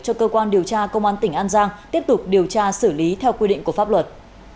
cho cơ quan điều tra công an tỉnh an giang tiếp tục điều tra xử lý theo quy định của pháp luật